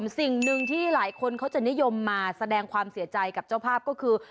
สิ่งหนึ่งที่หลายคนเขาจะนิยมมาแสดงความเสียใจกับเจ้าภาพก็คือ